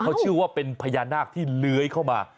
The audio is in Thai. เขาเชื่อว่าเป็นพญานาคที่เลื้อยเข้ามา